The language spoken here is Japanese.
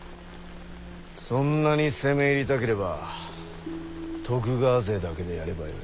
そんなに攻め入りたければ徳川勢だけでやればよい。